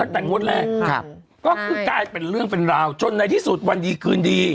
ก็ถึงกลายเป็นเรื่องเป็นราวจนในที่สุดวันยีคืนดี